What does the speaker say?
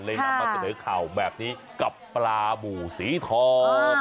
นำมาเสนอข่าวแบบนี้กับปลาบูสีทอง